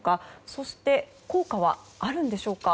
そして効果はあるんでしょうか。